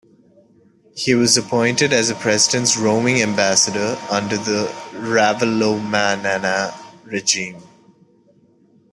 He was appointed as the president's "roaming ambassador" under the Ravalomanana regime.